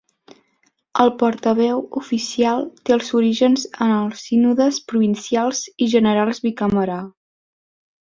El portaveu oficial té els orígens en el sínodes provincials i generals bicameral.